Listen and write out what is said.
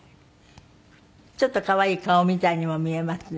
ちょっと可愛い顔みたいにも見えますね。